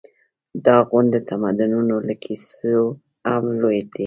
دا غونډ د تمدنونو له کیسو هم لوی دی.